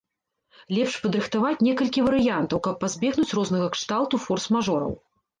Лепш падрыхтаваць некалькі варыянтаў, каб пазбегнуць рознага кшталту форс-мажораў.